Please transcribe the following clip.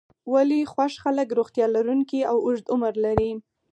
ولې خوښ خلک روغتیا لرونکی او اوږد عمر لري.